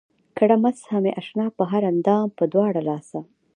کړه مسحه مې اشنا پۀ هر اندام پۀ دواړه لاسه